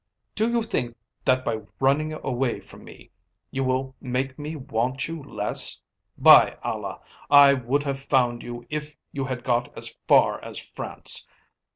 Do you think that by running away from me you will make me want you less? By Allah! I would have found you if you had got as far as France.